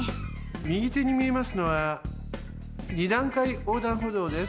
みぎてにみえますのは二段階横断歩道です。